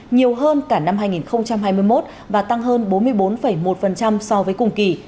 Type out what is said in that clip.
nhiều hơn cả năm hai nghìn hai mươi một và tăng hơn bốn mươi bốn một so với cùng kỳ